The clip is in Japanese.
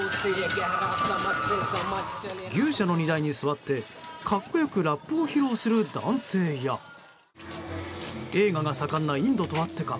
牛舎の荷台に座って格好よくラップを披露する男性や映画が盛んなインドとあってか